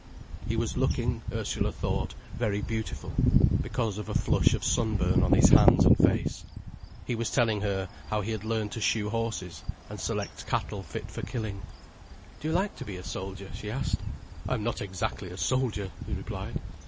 He was looking, Ursula thought, very beautiful, because of a flush of sunburn on his hands and face. He was telling her how he had learned to shoe horses and select cattle fit for killing. "Do you like to be a soldier?" she asked. "I am not exactly a soldier," he replied.